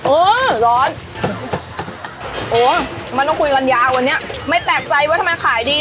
เออร้อนโอ้มันต้องคุยกันยาววันนี้ไม่แปลกใจว่าทำไมขายดี